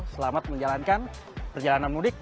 selamat menjalankan perjalanan mudik